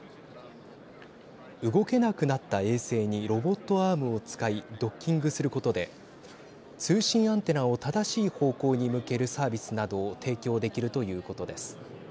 動けなくなった衛星にロボットアームを使いドッキングすることで通信アンテナを正しい方向に向けるサービスなどを提供できるということです。